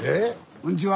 こんにちは。